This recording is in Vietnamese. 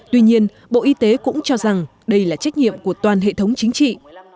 tuy nhiên bộ y tế cũng cho rằng đây là trách nhiệm của toàn hệ thống chính trị